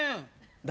誰？